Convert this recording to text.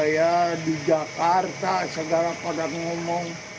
ya di jakarta segala orang ngomong